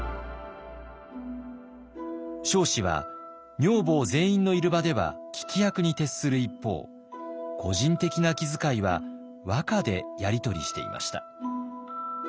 彰子は女房全員のいる場では聞き役に徹する一方個人的な気遣いは和歌でやり取りしていました。